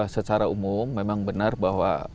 secara umum memang benar bahwa